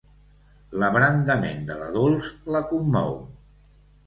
L'abrandament de la Dols la commou.